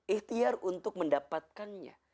ikhtiar untuk mendapatkannya